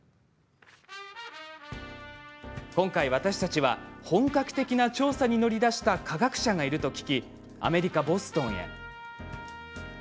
今回、私たちは本格的な調査に乗り出した科学者がいると聞きアメリカ・ボストンへ。